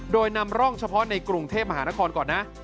โดยนำร่องเฉพาะในกรุงเทพมหานครก่อนนะ